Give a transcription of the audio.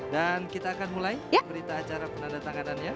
dan kita akan mulai berita acara penandatanganannya